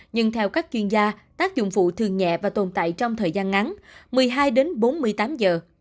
nhưng theo các chuyên gia tác dụng phụ thường nhẹ và tồn tại trong thời gian ngắn một mươi hai đến bốn mươi tám giờ